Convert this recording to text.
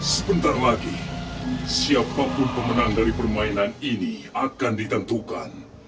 sebentar lagi siapapun pemenang dari permainan ini akan ditentukan